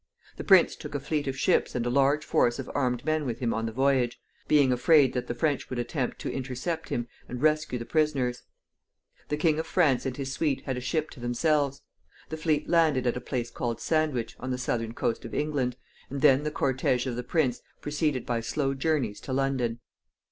The prince took a fleet of ships and a large force of armed men with him on the voyage, being afraid that the French would attempt to intercept him and rescue the prisoners. The King of France and his suite had a ship to themselves. The fleet landed at a place called Sandwich, on the southern coast of England, and then the cortége of the prince proceeded by slow journeys to London.